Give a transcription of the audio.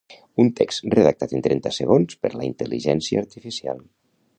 Un text redactat en trenta segons per la intel·ligència artificial